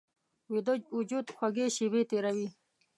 ویده وجود خوږې شیبې تېروي